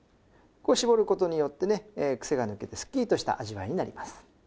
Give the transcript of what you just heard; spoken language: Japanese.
こう絞る事によってねクセが抜けてすっきりとした味わいになります。